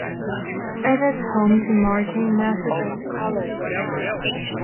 It is home to Martin Methodist College.